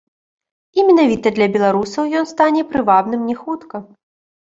І менавіта для беларусаў ён стане прывабным не хутка.